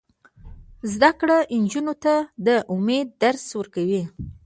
زده کړه نجونو ته د امید درس ورکوي.